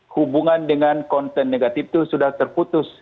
hubungan dengan konten negatif itu sudah terputus